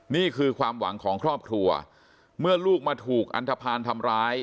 นี่คือความหวังของครอบครัวเมื่อลูกมาถูกอันทภาณทำร้าย